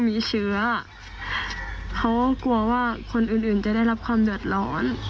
โดยไม่มีเชื้อเพราะกลัวว่าคนอื่นจะได้เรียบความรวดร้อน